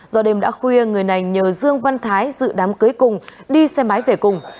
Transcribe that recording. do đêm đã khuya người này nhờ dương văn thái dự đám cưới cùng đi xe máy về cùng